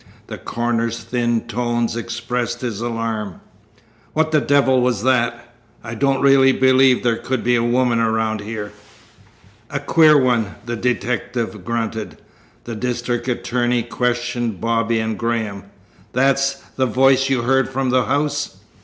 The coroner's thin tones expressed his alarm: "What the devil was that? I don't really believe there could be a woman around here." "A queer one!" the detective grunted. The district attorney questioned Bobby and Graham. "That's the voice you heard from the house?"